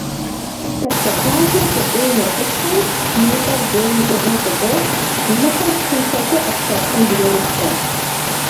Токсоплазмэр кӏэтӏийм йотӏысхьэри, и ныкъуэр вейм щӏыгъуу къыдох, и ныкъуэр лъым хэту ӏэпкълъэпкъым зреубгъуэ.